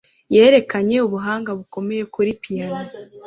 Yerekanye ubuhanga bukomeye kuri piyano.